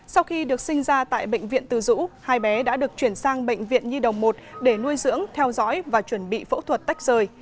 sau khi được sinh ra tại bệnh viện từ dũ hai bé đã được chuyển sang bệnh viện nhi đồng một để nuôi dưỡng theo dõi và chuẩn bị phẫu thuật tách rời